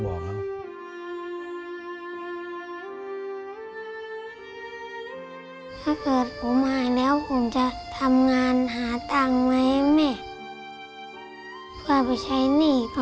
พ่อลูกรู้สึกปวดหัวมาก